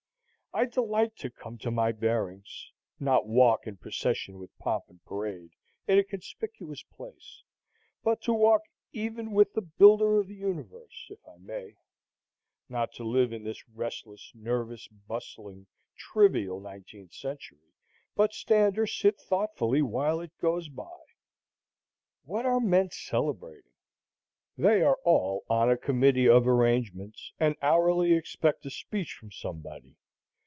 I delight to come to my bearings,—not walk in procession with pomp and parade, in a conspicuous place, but to walk even with the Builder of the universe, if I may,—not to live in this restless, nervous, bustling, trivial Nineteenth Century, but stand or sit thoughtfully while it goes by. What are men celebrating? They are all on a committee of arrangements, and hourly expect a speech from somebody.